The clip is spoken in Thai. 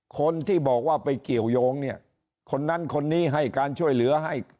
คนที่บอกว่าไปเกี่ยวยงเนี่ยคนนั้นคนนี้ให้การช่วยเหลือให้